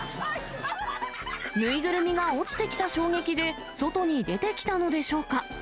縫いぐるみが落ちてきた衝撃で外に出てきたのでしょうか。